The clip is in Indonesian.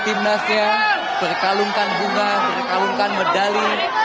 timnasnya berkalungkan bunga berkalungkan medali